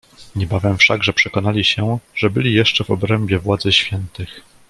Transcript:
"Niebawem wszakże przekonali się, że byli jeszcze w obrębie władzy Świętych."